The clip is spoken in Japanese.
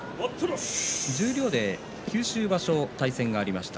十両で九州場所対戦がありました。